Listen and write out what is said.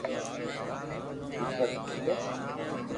ڪيڪر ڀرئي